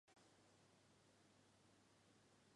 最终法案仍获国会大部份议员支持而通过。